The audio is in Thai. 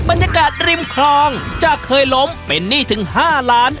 บรรยากาศริมคลองจากเคยล้มเป็นหนี้ถึง๕ล้าน